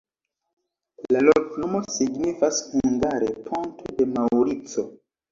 La loknomo signifas hungare: ponto de Maŭrico.